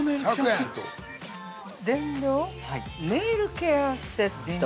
◆電動ネイルケアセット？